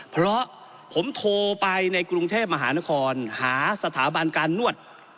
เพราะผมโทรไปในกรุงเทพมหานครหาสถาบันการนวด